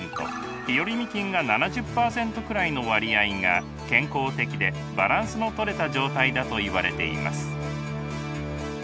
日和見菌が７０％くらいの割合が健康的でバランスのとれた状態だといわれています。